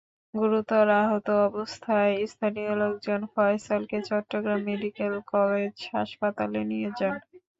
গুরুতর আহত অবস্থায় স্থানীয় লোকজন ফয়সালকে চট্টগ্রাম মেডিকেল কলেজ হাসপাতালে নিয়ে যান।